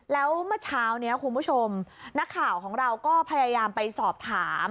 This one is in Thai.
แล้วเมื่อเช้านี้คุณผู้ชมนักข่าวของเราก็พยายามไปสอบถาม